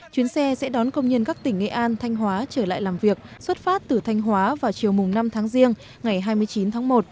chuyến xe sẽ đón công nhân các tỉnh nghệ an thanh hóa trở lại làm việc xuất phát từ thanh hóa vào chiều năm tháng riêng ngày hai mươi chín tháng một